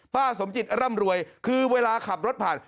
สมจิตร่ำรวยคือเวลาขับรถผ่าน